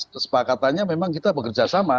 kesepakatannya memang kita bekerja sama